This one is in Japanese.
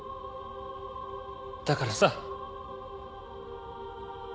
だからさ